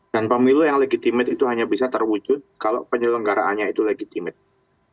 dan pemilu yang legitimasinya itu hanya bisa terwujud kalau penyelenggaraannya itu legitimasinya